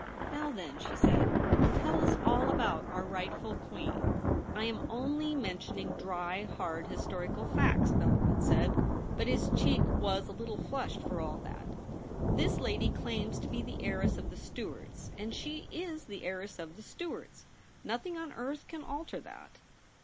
' Now then,' she said, ' tell us all about our rightful Queen.' ' I am only mentioning dry, hard historical facts,' Bellarmin said ; but his cheek was a little flushed for all that. ' This lady claims to be the heiress of the Stuarts, and she is the heiress of the Stuarts. Nothing on earth can alter that.'